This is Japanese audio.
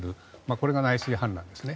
これが内水氾濫ですね。